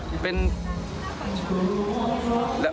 เบิ้ลเป็นหัวใครคะ